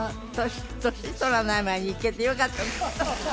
年取らない前に行けてよかったです